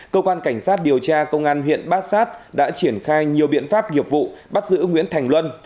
cơ quan cảnh sát điều tra công an huyện bát sát đã triển khai nhiều biện pháp nghiệp vụ bắt giữ nguyễn thành luân